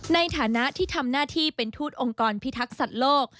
ในฐานะที่ทำหน้าที่เป็นทูตองค์กรพิทักษัตริย์โลก